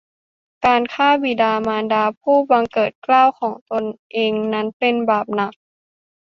การฆ่าบิดามารดาผู้บังเกิดเกล้าของตนเองนั้นเป็นบาปหนัก